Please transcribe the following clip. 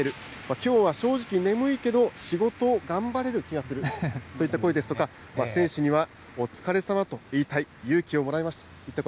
きょうは正直眠いけど、仕事を頑張れる気がする、そういった声ですとか、選手にはお疲れさまですと言いたい、勇気をもらいましたといった声。